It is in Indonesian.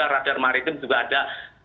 radar maritim juga ada